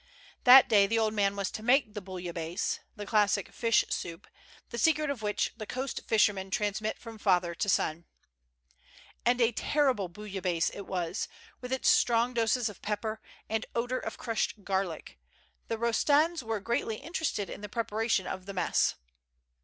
That day the old man was to make the houillahaisse^ the classic fish soup, the secret of which the coast fishermen transmit from father to son. And a terrible bouillabaisse it was, with its strong doses of pepper, and odor of crushed garlic. The Eostands were greatly interested in the preparation of the mess.